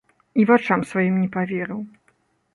І вачам сваім не паверыў.